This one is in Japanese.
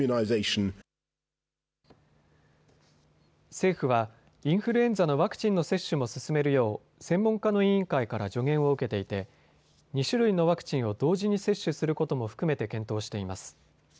政府はインフルエンザのワクチンの接種も進めるよう専門家の委員会から助言を受けていて２種類のワクチンを同時に接種することも含めて検討しています。